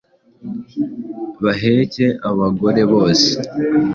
baheke abagore bose